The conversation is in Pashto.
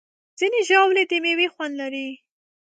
ځینې ژاولې د میوې خوند لري.